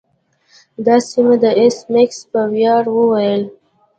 دا سمه ده ایس میکس په ویاړ وویل